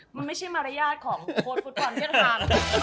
มันไม่ใช่มารยาทของโค้ชฟุตบอลที่จะทำ